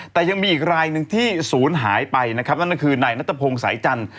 แต่ยังมีอีกรายหนึ่งที่ศูนย์หายไปนะครับนั่นก็คือนายนัทพงศ์สายจันทร์